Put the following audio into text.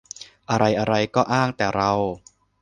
อะไรอะไรก็อ้างแต่เรา